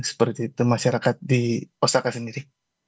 seperti itu masyarakat di osaka sendiri